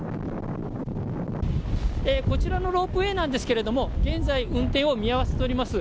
こちらのロープウエーなんですけれども現在運転を見合わせております。